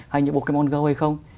hay như pokemon go hay không